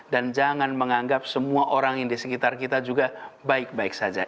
dan jangan menganggap semua orang yang di sekitar kita juga baik baik saja